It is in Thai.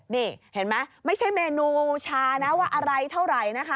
นี่เห็นไหมไม่ใช่เมนูบูชานะว่าอะไรเท่าไหร่นะคะ